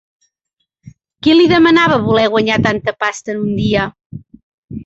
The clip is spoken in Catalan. Qui li demanava voler guanyar tanta pasta en un dia?